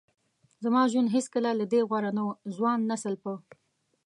زما ژوند هیڅکله له دې غوره نه و. ځوان نسل په